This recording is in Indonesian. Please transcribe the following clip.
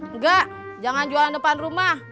enggak jangan jualan depan rumah